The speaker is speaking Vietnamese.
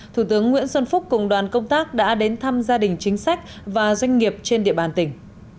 thủ tướng nguyễn xuân phúc cùng đoàn công tác đã đến thăm gia đình chính sách và doanh nghiệp trên địa bàn tỉnh